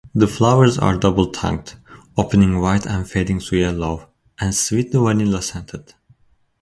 The flowers are double-tongued, opening white and fading to yellow, and sweetly vanilla scented.